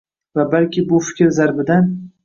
Va balki bu fikr zarbidan